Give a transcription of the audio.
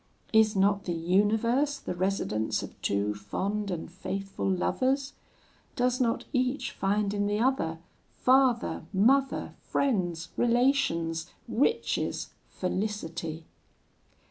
Is not the universe the residence of two fond and faithful lovers? Does not each find in the other, father, mother, friends, relations, riches, felicity?